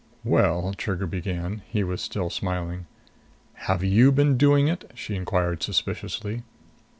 "Well " Trigger began. He was still smiling. "Have you been doing it?" she inquired suspiciously.